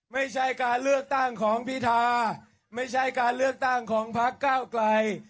ไม่ใช่การเลือกตั้งของพิธาไม่ใช่การเลือกตั้งของพักเก้าไกล